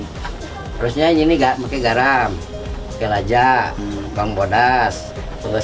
seharusnya kita menggunakan garam lajak bawang bodas serai dan bumbu